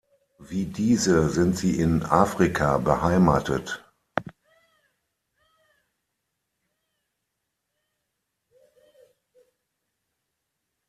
Wie diese sind sie in Afrika beheimatet.